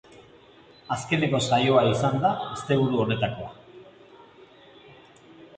Azkeneko saioa izan da asteburu honetakoa.